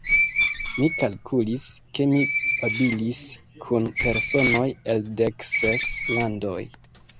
Mi kalkulis, ke mi babilis kun personoj el dek ses landoj.